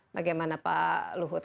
bagaimana pak luhut